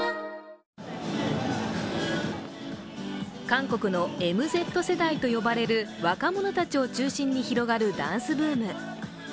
韓国のＭＺ世代と呼ばれる若者たちを中心に広がるダンスブーム。